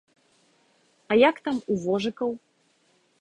А як там у вожыкаў?